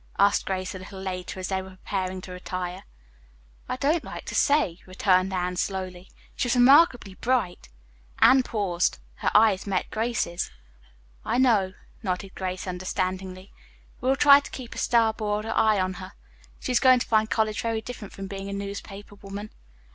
asked Grace a little later as they were preparing to retire. "I don't like to say," returned Anne slowly. "She's remarkably bright " Anne paused. Her eyes met Grace's. "I know," nodded Grace understandingly. "We will try to keep a starboard eye on her. She is going to find college very different from being a newspaper woman."